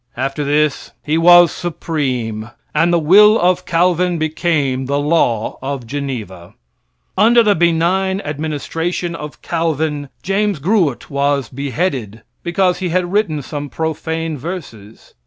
After this, he was supreme, and the will of Calvin became the law of Geneva. Under the benign administration of Calvin, James Gruet was beheaded because he had written some profane verses.